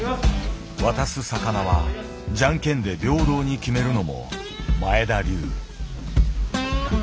渡す魚はジャンケンで平等に決めるのも前田流。